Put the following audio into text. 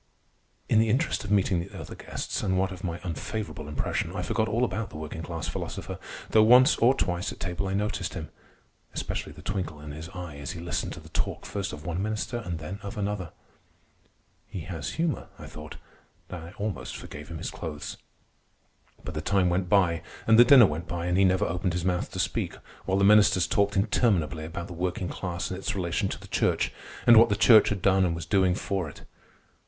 In the interest of meeting the other guests, and what of my unfavorable impression, I forgot all about the working class philosopher, though once or twice at table I noticed him—especially the twinkle in his eye as he listened to the talk first of one minister and then of another. He has humor, I thought, and I almost forgave him his clothes. But the time went by, and the dinner went by, and he never opened his mouth to speak, while the ministers talked interminably about the working class and its relation to the church, and what the church had done and was doing for it.